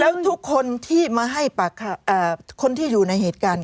แล้วทุกคนที่มาให้ปากคนที่อยู่ในเหตุการณ์